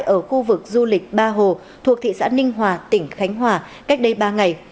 ở khu vực du lịch ba hồ thuộc thị xã ninh hòa tỉnh khánh hòa cách đây ba ngày